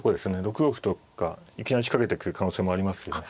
６五歩とかいきなり仕掛けてくる可能性もありますね。